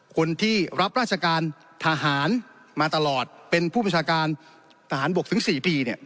คนที่รับราชการทหารมาตลอดเป็นผู้ประชาการทหารบกถึง๔ปี